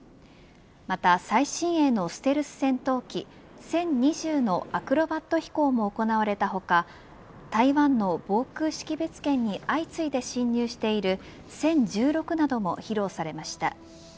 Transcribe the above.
また最新鋭のステルス戦闘機殲２０のアクロバット飛行も行われた他台湾の防空識別圏に相次いで侵入している殲１６なども披露されました。